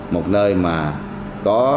một nơi mà có